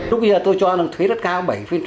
lúc nha tôi cho anh là thuế rất cao bảy